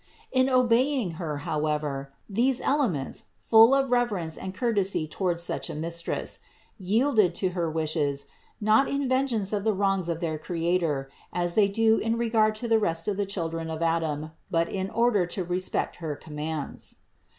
In obeying Her, however, these elements, full of reverence and courtesy toward such a Mistress, THE INCARNATION 37 yielded to her wishes, not in vengeance of the wrongs of their Creator, as they do in regard to the rest of the children of Adam, but in order to respect her commands.